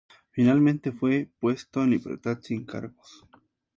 Finalmente, fue puesto en libertad sin cargos.